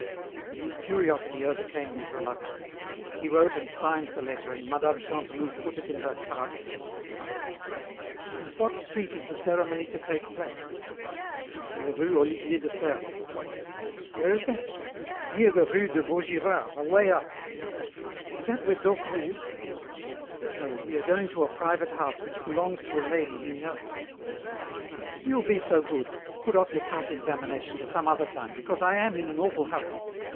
His curiosity overcame his reluctance. He wrote and signed the letter and Mme. Chantelouve put it in her card case. "And in what street is the ceremony to take place?" "In the rue Olivier de Serres." "Where is that?" "Near the rue de Vaugirard, away up." "Is that where Docre lives?" "No, we are going to a private house which belongs to a lady he knows. Now, if you'll be so good, put off your cross examination to some other time, because I am in an awful hurry.